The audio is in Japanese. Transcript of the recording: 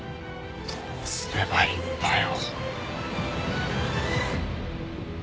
どうすればいいんだよ。